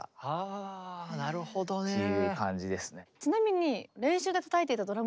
あなるほどね。という感じですね。